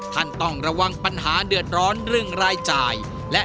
ต้องระวังปัญหาเดือดร้อนเรื่องรายจ่ายและ